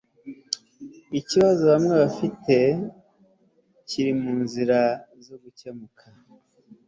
ikibazo bamwe bafite nacyo kiri mu nzira zo gukemuka